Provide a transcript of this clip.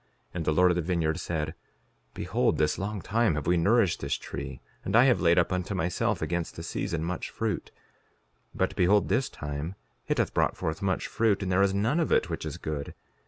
And the Lord of the vineyard said: Behold, this long time have we nourished this tree, and I have laid up unto myself against the season much fruit. 5:32 But behold, this time it hath brought forth much fruit, and there is none of it which is good.